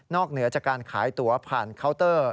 เหนือจากการขายตัวผ่านเคาน์เตอร์